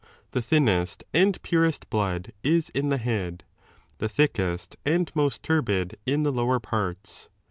The thinnest and purest blood in the head, the thickest and most turbid in the I lower parts.